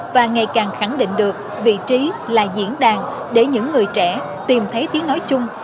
và ngày càng khẳng định được vị trí là diễn đàn để những người trẻ tìm thấy tiếng nói chung